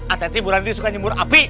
ah tete bu ranti suka nyumbur api